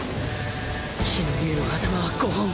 木の竜の頭は５本